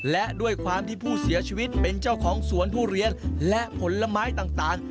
และด้วยความที่ผู้เสียชีวิตเป็นเจ้าของสวนทุเรียนและผลไม้ต่าง